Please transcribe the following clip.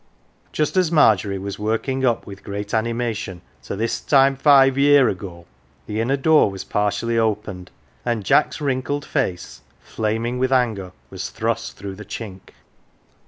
Just as Margery was working up with great anima tion to "this time five year ago," the inner door was partially opened, and Jack's wrinkled face, flaming with anger, was thrust through the chink.